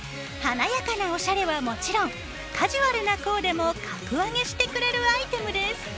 華やかなおしゃれはもちろんカジュアルなコーデも格上げしてくれるアイテムです。